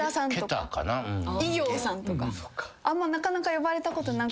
あんまなかなか呼ばれたことなくて。